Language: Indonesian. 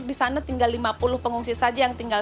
di sana tinggal lima puluh pengungsi saja yang tinggal